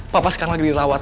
papa sekarang lagi dirawat